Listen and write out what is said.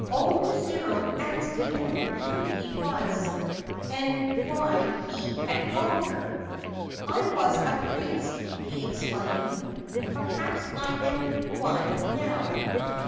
O Tsuru asked him who he was, and wh he had called her. ' I was a priest,' he explained. ' Perhaps I am on now.